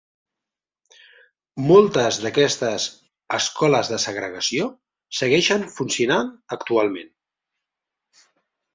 Moltes d'aquestes "escoles de segregació" segueixen funcionant actualment.